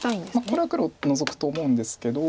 これは黒ノゾくと思うんですけど。